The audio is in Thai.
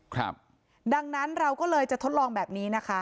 ครับดังนั้นเราก็เลยจะทดลองแบบนี้นะคะ